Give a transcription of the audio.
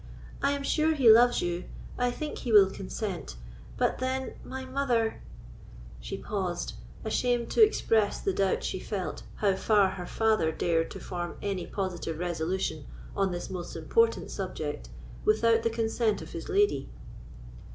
I am sure he loves you—I think he will consent; but then my mother——!" She paused, ashamed to express the doubt she felt how far her father dared to form any positive resolution on this most important subject without the consent of his lady.